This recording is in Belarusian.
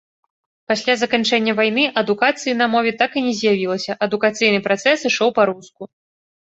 Пасля заканчэння вайны адукацыі на мове так і не з'явілася, адукацыйны працэс ішоў па-руску.